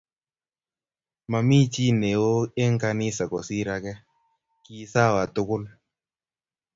Mami chi neo eng kanisa kosir ake, kisawa tukul